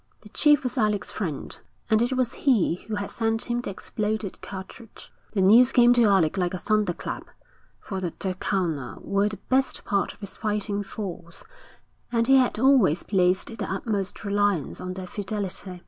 The chief was Alec's friend, and it was he who had sent him the exploded cartridge. The news came to Alec like a thunderclap, for the Turkana were the best part of his fighting force, and he had always placed the utmost reliance on their fidelity.